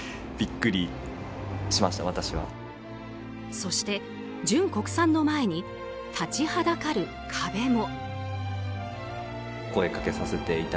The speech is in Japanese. そして、純国産の前に立ちはだかる壁も。